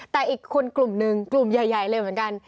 แต่อีกคนกลุ่มหนึ่งกลุ่มใหญ่เลยเหมือนกัน